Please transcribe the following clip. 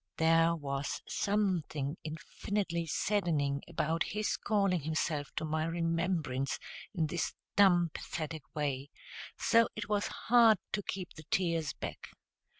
There was something infinitely saddening about his calling himself to my remembrance in this dumb pathetic way, so it was hard to keep the tears back.